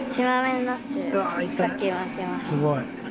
すごい。